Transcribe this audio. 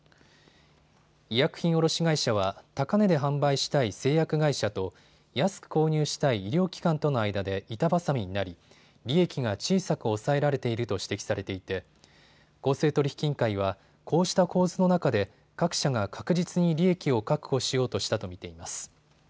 医薬品卸会社は高値で販売したい製薬会社と安く購入したい医療機関との間で板挟みになり利益が小さく抑えられていると指摘されていて公正取引委員会はこうした構図の中で各社が確実に利益を確保しようとしたと見ています。